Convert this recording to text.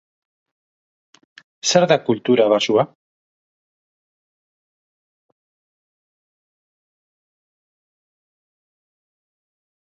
Zer da kultura baxua?